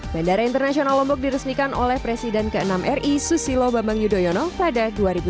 bandara internasional lombok diresmikan oleh presiden ke enam ri susilo bambang yudhoyono pada dua ribu sembilan belas